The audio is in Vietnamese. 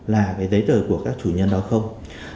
là cái giấy tờ của các chủ nhân đó không